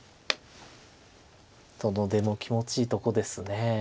その出も気持ちいいとこです。